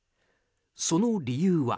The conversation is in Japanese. その理由は。